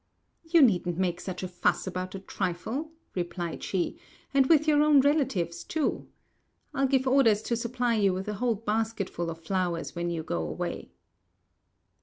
"You needn't make such a fuss about a trifle," replied she, "and with your own relatives, too. I'll give orders to supply you with a whole basketful of flowers when you go away."